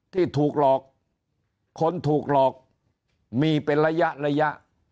ที่ถูกหลอกคนถูกหลอกมีเป็นระยะระยะ